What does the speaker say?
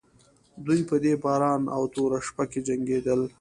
دوی په دې باران او توره شپه کې جنګېدل.